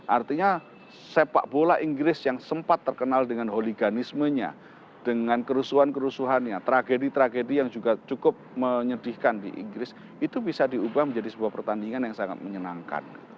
artinya sepak bola inggris yang sempat terkenal dengan holiganismenya dengan kerusuhan kerusuhannya tragedi tragedi yang juga cukup menyedihkan di inggris itu bisa diubah menjadi sebuah pertandingan yang sangat menyenangkan